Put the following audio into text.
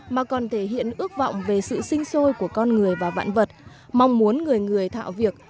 mà còn thể hiện ước vọng về sự sinh sôi của con người và vạn vật mong muốn người người thạo việc